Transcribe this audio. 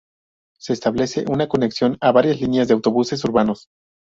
Se establece una conexión a varias líneas de autobuses urbanos.